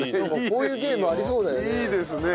こういうゲームありそうだよね。